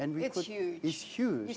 anda melihatnya di jalanan